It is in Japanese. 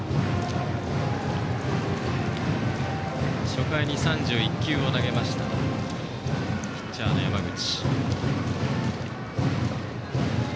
初回に３１球を投げましたピッチャーの山口。